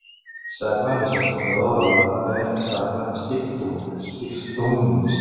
Sakmann és el fundador de la Bert-Sakmann-Stiftung.